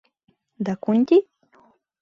Дакунти?